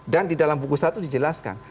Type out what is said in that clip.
dan di dalam buku satu dijelaskan